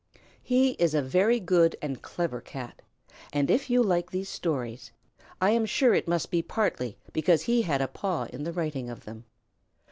He is a very good and clever Cat, and if you like these stories I am sure it must be partly because he had a paw in the writing of them.